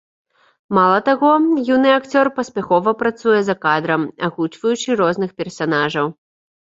Мала таго, юны акцёр паспяхова працуе за кадрам, агучваючы розных персанажаў.